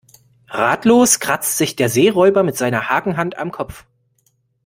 Ratlos kratzt sich der Seeräuber mit seiner Hakenhand am Kopf.